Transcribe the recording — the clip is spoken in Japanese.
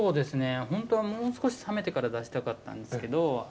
本当はもう少しさめてから出したかったんですけど。